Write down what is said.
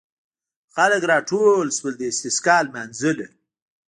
خلک راټول شول د استسقا لمانځه ته.